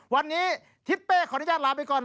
วันนี้ทิศเป้ขออนุญาตลาไปก่อน